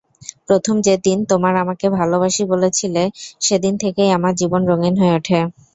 প্রথম যেদিন তোমার আমাকে ভালোবাসি বলেছিলে, সেদিন থেকেই আমার জীবন রঙ্গিন হয়ে ওঠে।